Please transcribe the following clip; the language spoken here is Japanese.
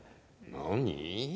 何？